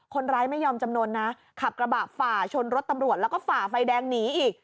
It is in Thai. คนร้ายไม่ยอมจำนวนนะขับกระบะฝ่าชนรถตำรวจแล้วก็ฝ่าไฟแดงหนีอีก